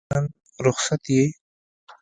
ته نن رخصت یې؟